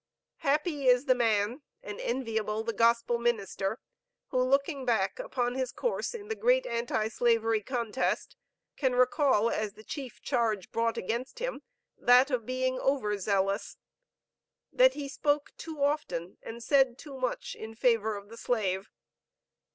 Happy is the man, and enviable the gospel minister, who, looking back upon his course in the great anti slavery contest, can recall as the chief charge brought against him, that of being over zealous! That he spoke too often and said too much in favor of the slave!